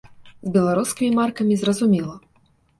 З беларускімі маркамі зразумела.